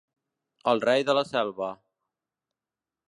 El rei de la selva.